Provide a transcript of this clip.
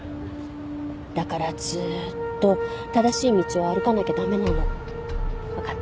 だからずーっと正しい道を歩かなきゃ駄目なの